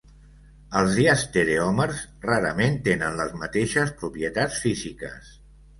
Els diastereòmers rarament tenen les mateixes propietats físiques.